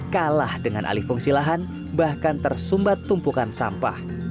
kalah dengan alih fungsi lahan bahkan tersumbat tumpukan sampah